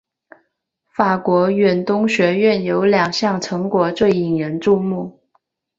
法国远东学院有两项成果最引人注目。